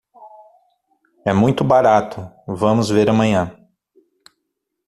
É muito barato, vamos ver amanhã.